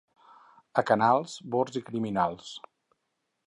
A Canals, bords i criminals.